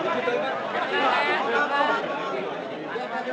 pak humas teman teman